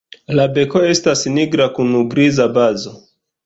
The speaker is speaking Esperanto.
La beko estas nigra kun griza bazo.